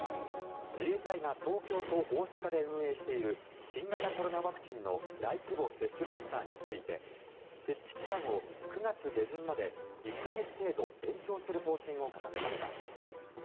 自衛隊が東京と大阪で運営している新型コロナワクチンの大規模接種センターについて設置期間を９月下旬まで１か月程度延長する方針を固めました。